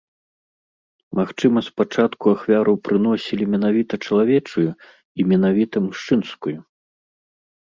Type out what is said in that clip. Магчыма спачатку ахвяру прыносілі менавіта чалавечую і менавіта мужчынскую.